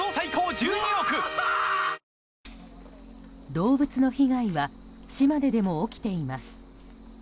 動物の被害は島根でも起きています。